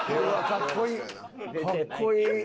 かっこいい。